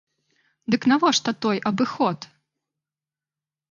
Дык навошта той абыход?